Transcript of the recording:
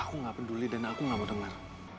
aku gak peduli dan aku gak mau denger